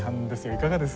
いかがです？